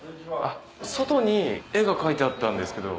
外に絵が描いてあったんですけど。